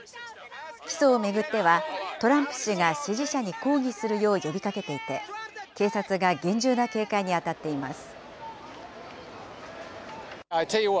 起訴を巡っては、トランプ氏が支持者に抗議するよう呼びかけていて、警察が厳重な警戒に当たっています。